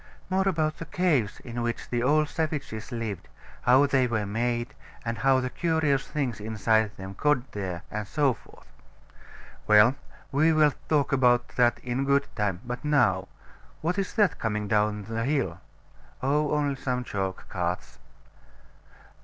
More about the caves in which the old savages lived, how they were made, and how the curious things inside them got there, and so forth. Well, we will talk about that in good time: but now What is that coming down the hill? Oh, only some chalk carts.